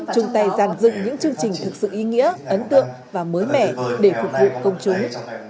chung tay giàn dựng những chương trình thực sự ý nghĩa ấn tượng và mới mẻ để phục vụ công chúng